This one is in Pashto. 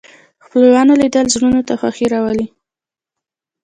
د خپلوانو لیدل زړونو ته خوښي راولي